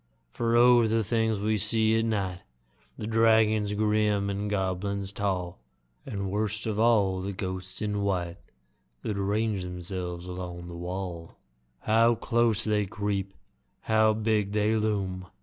For O! the things we see at night The dragons grim, the goblins tall, And, worst of all, the ghosts in white That range themselves along the wall! How close they creep! How big they loom!